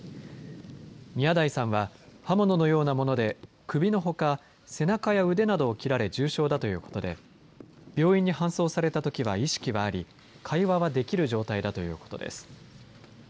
宮台さんは刃物のようなもので首のほか、背中や腕などを切られ重傷だということで病院に搬送されたときは意識はあり会話はできる状態だということです。